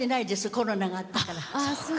コロナがあったから。